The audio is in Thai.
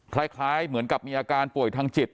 คล้ายเหมือนกับมีอาการป่วยทางจิต